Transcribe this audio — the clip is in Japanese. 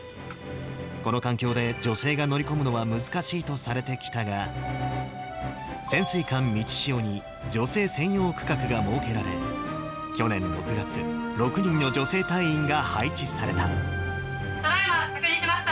この環境で女性が乗り込むのは難しいとされてきたが、潜水艦みちしおに、女性専用区画が設けられ、去年６月、ただ今着任しました！